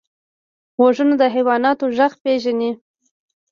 غوږونه د حیواناتو غږ پېژني